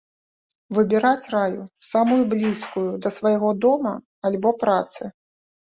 Выбіраць раю самую блізкую да свайго дома альбо працы.